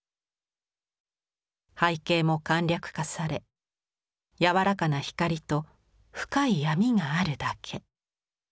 背景も簡略化され柔らかな光と深い闇があるだけ。